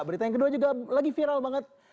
berita yang kedua juga lagi viral banget